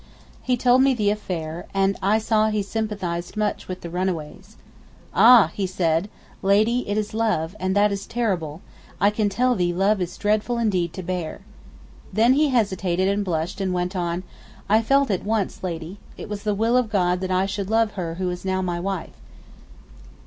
He told me the affair, and I saw he sympathized much with the runaways. 'Ah,' he said 'Lady, it is love, and that is terrible, I can tell thee love is dreadful indeed to bear.' Then he hesitated and blushed, and went on, 'I felt it once, Lady, it was the will of God that I should love her who is now my wife.